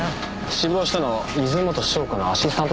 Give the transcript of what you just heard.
死亡したの水元湘子のアシスタントですって。